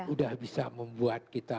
udah bisa membuat kita